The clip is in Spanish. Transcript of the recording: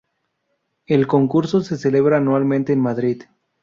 El concurso se celebra anualmente en Madrid.